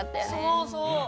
そうそう。